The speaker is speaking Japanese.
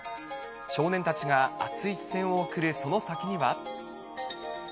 少年たちが熱い視線を送るその先には。